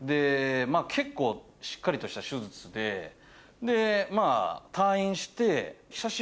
結構しっかりとした手術で。で退院して。